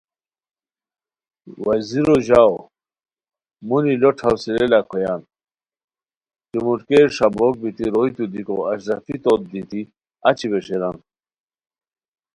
وزیرو ژاؤ مُونی لوٹ حوصلہ لاکھویان چموٹکیر ݰابوک بیتی روئیتو دیکو اشرفی توت دیتی اچی ویݰیران